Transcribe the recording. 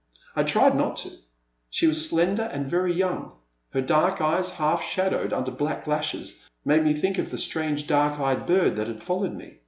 I tried not to. She was slender and very young. Her dark eyes, half shadowed under black lashes, made me think of the strange, dark eyed bird that had followed me.